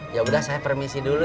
yaudah saya permisi dulu